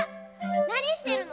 なにしてるの？